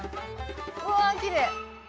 うわきれい！